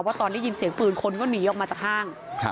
ตอนได้ยินเสียงปืนคนก็หนีออกมาจากห้าง